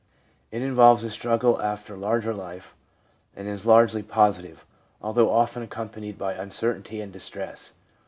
It involves a struggle after larger life, and is largely positive, although often accompanied by uncertainty and distress.